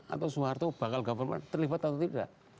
atau soeharto bakal government terlibat atau tidak